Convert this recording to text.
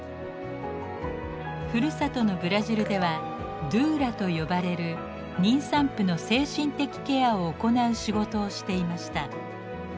ふるさとのブラジルでは「ドゥーラ」と呼ばれる妊産婦の精神的ケアを行う仕事をしていました。